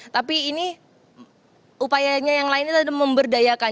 tapi ini upayanya yang lainnya adalah memberdayakan